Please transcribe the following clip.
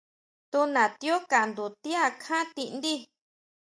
Tunatiú kandu ti akján tindíi.